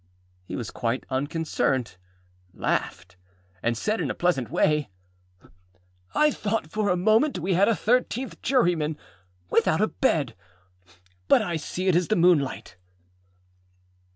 He was quite unconcerned, laughed, and said in a pleasant way, âI thought for a moment we had a thirteenth juryman, without a bed. But I see it is the moonlight.